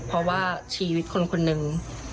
เพราะว่าชีวิตคนนึง